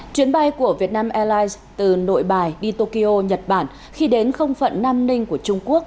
chuyến bay của vietnam airlines từ nội bài đi tokyo nhật bản khi đến không phận nam ninh của trung quốc